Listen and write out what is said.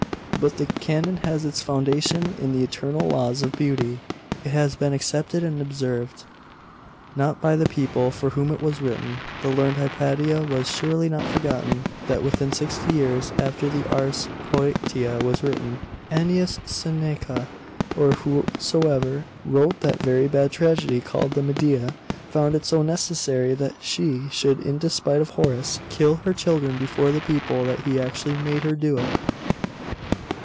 'But the canon has its foundation in the eternal laws of beauty. It has been accepted and observed.' 'Not by the people for whom it was written. The learned Hypatia has surely not forgotten, that within sixty years after the Ars Poetica was written, Annaeus Seneca, or whosoever wrote that very bad tragedy called the Medea, found it so necessary that she should, in despite of Horace, kill her children before the people, that he actually made her do it!